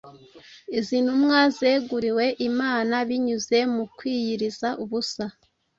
izi ntumwa zeguriwe Imana binyuze mu kwiyiriza ubusa,